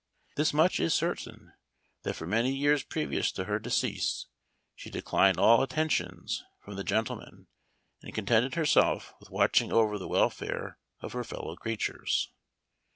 This much is certain, that for many years previous to her decease she declined all attentions from the gentlemen, and contented herself with watching over the welfare of her fellow creatures.